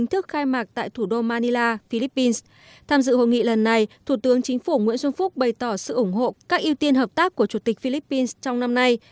tham dự hội nghị lần này thủ tướng chính phủ nguyễn xuân phúc bày tỏ sự ủng hộ các ưu tiên hợp tác của chủ tịch philippines trong năm nay